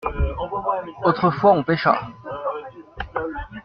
Autrefois on pêcha.